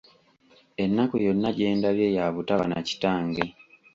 Ennaku yonna gye ndabye ya butaba na kitange!